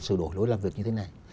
sửa đổi lối làm việc như thế này